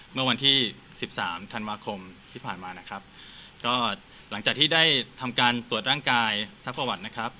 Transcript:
เมื่อวันที่สิบสามธันวาคมที่ผ่านมานะครับก็หลังจากที่ได้ทำการตรวจร่างกายซักประวัตินะครับ